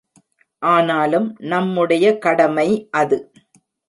ஆனாலும் நம்முடைய கடமை அது.